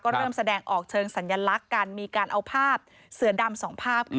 เริ่มแสดงออกเชิงสัญลักษณ์กันมีการเอาภาพเสือดำสองภาพ